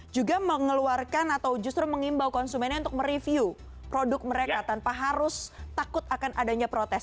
juga mengeluarkan atau justru mengimbau konsumennya untuk mereview produk mereka tanpa harus takut akan adanya protes